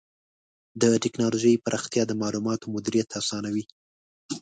د ټکنالوجۍ پراختیا د معلوماتو مدیریت آسانوي.